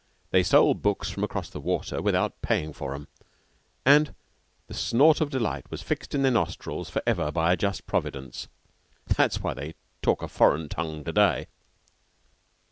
They stole books from across the water without paying for 'em, and the snort of delight was fixed in their nostrils forever by a just Providence. That is why they talk a foreign tongue to day.